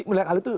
menilai ahli itu